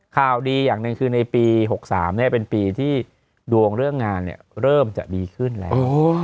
ข่าวดีอย่างหนึ่งคือในปี๖๓เป็นปีที่ดวงเรื่องงานเริ่มจะดีขึ้นแล้ว